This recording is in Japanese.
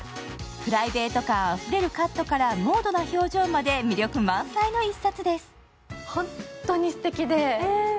プライベート感あふれるカットから、モードな表情まで魅力満載の一冊です。